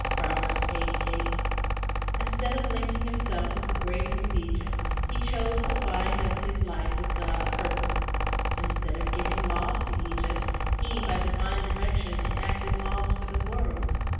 1 Instead of linking himself with the greatness of Egypt, he chose to bind up his life with God's pur pose. Instead of giving laws to Egypt, he by divine direction enacted laws for the world.